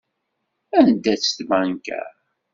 Anda-tt tbanka?